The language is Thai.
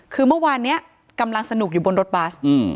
คือเมื่อวานนี้กำลังสนุกอยู่บนรถบัส